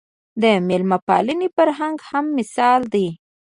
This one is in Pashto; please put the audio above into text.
د مېلمه پالنې فرهنګ هم مثال دی